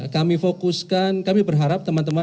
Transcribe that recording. kami fokuskan kami berharap teman teman